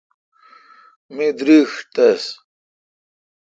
می درݭ تس۔